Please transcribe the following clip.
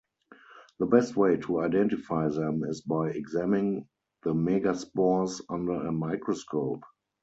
The best way to identify them is by examining the megaspores under a microscope.